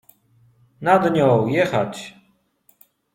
Nad nią — „jechać”.